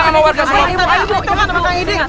ayo ibu cepetan makan bakso